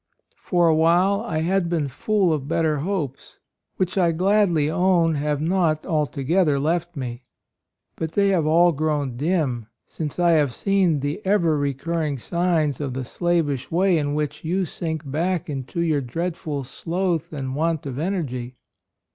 "For a while I had been full of better hopes, which I gladly own have not altogether left me; but they have all grown dim since I have seen the ever recurring signs of the slavish way in which you sink back into your dreadful sloth and want of energy.